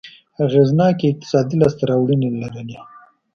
اغېزناکې اقتصادي لاسته راوړنې لرلې.